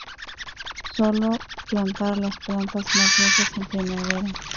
Sólo plantar las plantas más viejas en primavera.